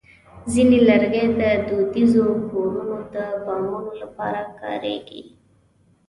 ځینې لرګي د دودیزو کورونو د بامونو لپاره کارېږي.